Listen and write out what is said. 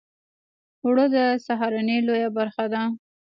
اوړه د سهارنۍ لویه برخه ده